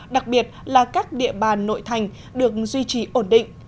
đặc biệt là các địa bàn nội thành được duy trì ổn định